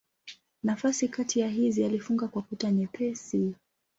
Nafasi kati ya hizi alifunga kwa kuta nyepesi.